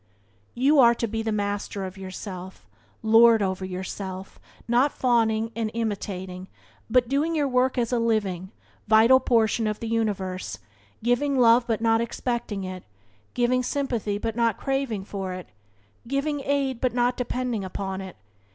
You are to be master of yourself, lord over yourself, not fawning and imitating, but doing your work as a living, vital portion of the universe; giving love but not expecting it; giving sympathy but not craving for it; giving aid but not depending upon it.